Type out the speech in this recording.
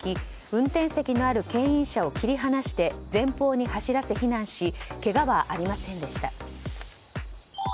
運転席のある牽引車を切り離して前方に走らせ避難しけがはありませんでした。